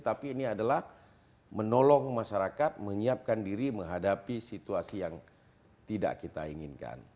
tapi ini adalah menolong masyarakat menyiapkan diri menghadapi situasi yang tidak kita inginkan